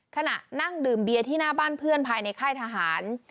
ขณะนั่งดื่มเบียร์ที่หน้าบ้านเพื่อนภายในค่ายทหาร